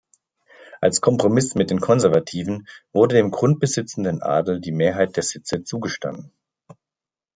Als Kompromiss mit den Konservativen wurde dem grundbesitzenden Adel die Mehrheit der Sitze zugestanden.